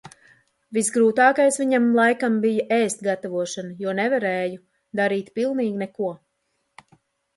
Visgrūtākais viņam laikam bija ēst gatavošana. Jo nevarēju darīt pilnīgi neko.